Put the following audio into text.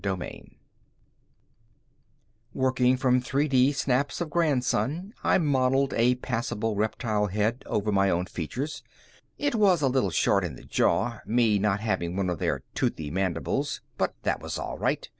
Working from 3D snaps of Grandson, I modeled a passable reptile head over my own features. It was a little short in the jaw, me not having one of their toothy mandibles, but that was all right.